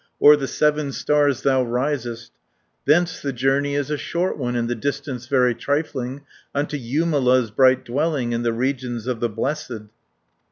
O'er the Seven Stars thou risest, Thence the journey is a short one, And the distance very trifling, Unto Jumala's bright dwelling, And the regions of the blessed."